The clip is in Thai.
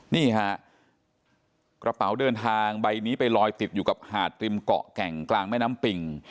นี่ฮะกระเป๋าเดินทางใบนี้ไปลอยติดอยู่กับหาดริมเกาะแก่งกลางแม่น้ำปิ่ง